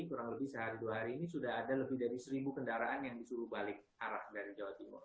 kurang lebih sehari dua hari ini sudah ada lebih dari seribu kendaraan yang disuruh balik arah dari jawa timur